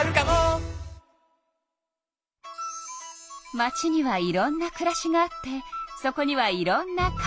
街にはいろんなくらしがあってそこにはいろんなカテイカが。